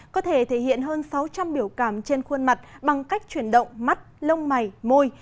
có thể thể hiện hơn sáu trăm linh biểu cảm trên khuôn mặt bằng cách chuyển động mắt lông mày môi